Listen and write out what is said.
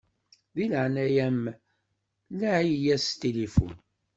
Di leɛnaya-m laɛi-yas s tilifun.